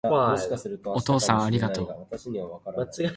お父さんありがとう